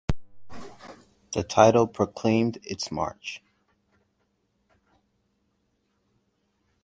The title proclaimed It's March!